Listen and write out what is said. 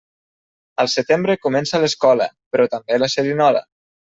Al setembre comença l'escola, però també la xerinola.